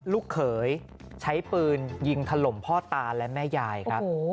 ลูกเขยใช้ปืนยิงถล่มพ่อตาและแม่ยายครับ